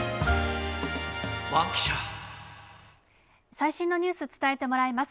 最新のニュース、伝えてもらいます。